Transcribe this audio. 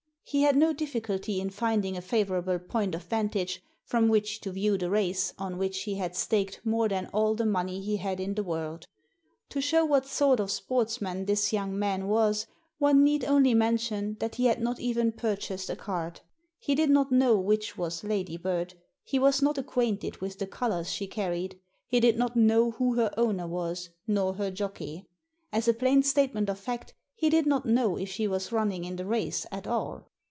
He had no difficulty in finding a favour able point of vantage from which to view the race Digitized by VjOOQIC THE TIPSTER 133 on which he had staked more than all the money he had in the world To show what sort of sportsman this young man was one need only mention that he had not even purchased a card. He did not know which was Ladybird, he was not acquainted with the colours she carried, he did not know who her owner was, nor her jockey — as a plain statement of fact he did not know if she was running in the race at all.